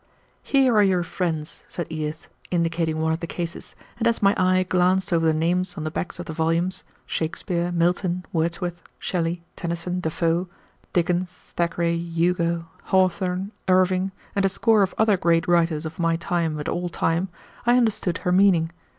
"Here are your friends," said Edith, indicating one of the cases, and as my eye glanced over the names on the backs of the volumes, Shakespeare, Milton, Wordsworth, Shelley, Tennyson, Defoe, Dickens, Thackeray, Hugo, Hawthorne, Irving, and a score of other great writers of my time and all time, I understood her meaning.